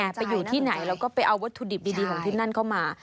แต่ไปอยู่ที่ไหนแล้วก็ไปเอาวัตถุดิบดีของที่นั่นเข้ามา